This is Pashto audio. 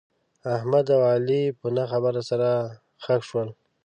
احمد او علي په نه خبره سره خښ شول.